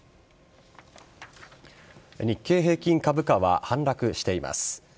日経平均株価は反落しています。